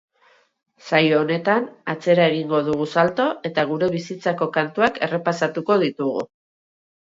Saio honetan, atzera egingo dugu salto eta gure bizitzako kantuak errepasatuko ditugu.